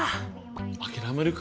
諦めるか。